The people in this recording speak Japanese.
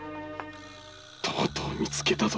とうとう見つけたぞ。